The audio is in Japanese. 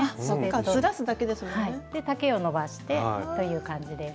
で丈をのばしてという感じです。